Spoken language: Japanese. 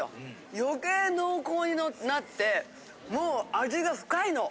余計濃厚になってもう味が深いの。